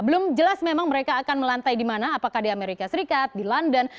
belum jelas memang mereka akan melantai di mana apakah di amerika serikat di london